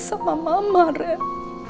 sama mama ren